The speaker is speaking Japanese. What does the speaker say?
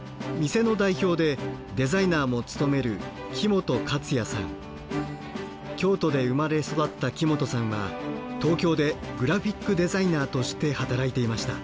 店の代表でデザイナーも務める京都で生まれ育った木本さんは東京でグラフィックデザイナーとして働いていました。